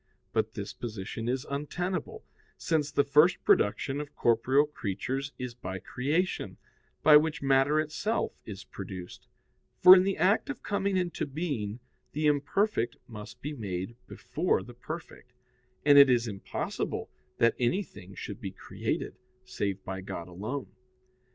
But this position is untenable, since the first production of corporeal creatures is by creation, by which matter itself is produced: for in the act of coming into being the imperfect must be made before the perfect: and it is impossible that anything should be created, save by God alone.